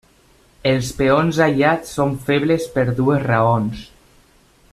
Els peons aïllats són febles per dues raons.